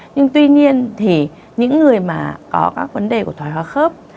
nhưng tuy nhiên thì những người mà có các vấn đề của thoái hóa khớp